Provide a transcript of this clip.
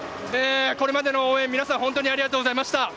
これまでの応援、皆さん本当にありがとうございました。